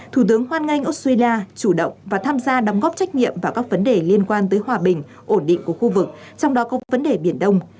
thủ tướng hoan nghênh australia chủ động và tham gia đóng góp trách nhiệm vào các vấn đề liên quan tới hòa bình ổn định của khu vực trong đó có vấn đề biển đông